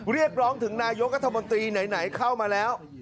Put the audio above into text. เรียกร้องถึงนายกรัฐมนตรีไหนเข้ามาแล้ว